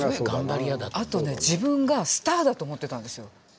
あとね自分がスターだと思ってたんですよ。